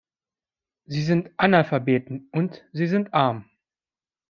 Sie sind Analphabeten und sie sind arm.